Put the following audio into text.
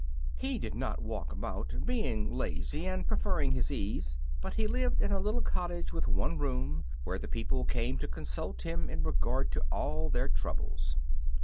He did not walk about, being lazy and preferring his ease; but he lived in a little cottage with one room, where the people came to consult him in regard to all their troubles.